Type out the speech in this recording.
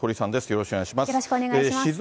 よろしくお願いします。